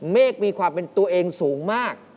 เมฆมีความเป็นตัวเองสูงมาก